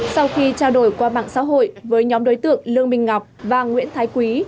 sau khi trao đổi qua mạng xã hội với nhóm đối tượng lương minh ngọc và nguyễn thái quý